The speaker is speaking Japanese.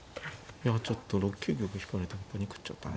いやちょっと６九玉引かれてパニクっちゃったね。